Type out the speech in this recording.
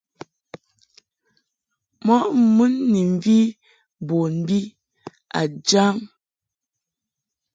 Mɔ mun ni mvi bon bi a jam.